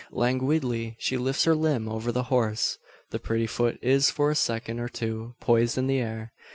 Languidly she lifts her limb over the horse. The pretty foot is for a second or two poised in the air.